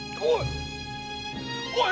おい！